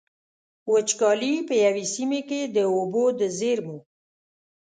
وچکالي په يوې سيمې کې د اوبو د زېرمو.